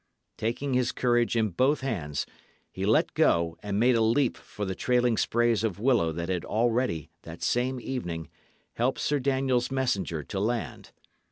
Taking his courage in both hands, he left go and made a leap for the trailing sprays of willow that had already, that same evening, helped Sir Daniel's messenger to land.